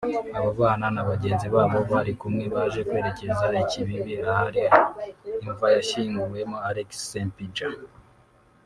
Abo bana na bagenzi babo bari kumwe baje kwerekeza i Kibibi ahari imva yashyinguwemo Alex Ssempijja